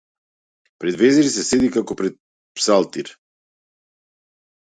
Пред везир се седи како пред псалтир!